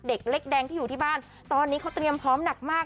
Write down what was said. เด็กเล็กแดงที่อยู่ที่บ้านตอนนี้เขาเตรียมพร้อมหนักมาก